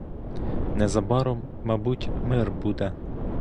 Незабаром, мабуть, мир буде.